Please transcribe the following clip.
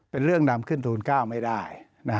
เป็นเรื่องนำขึ้นทูล๙ไม่ได้